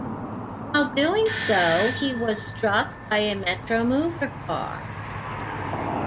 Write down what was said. While doing so he was struck by a Metromover car.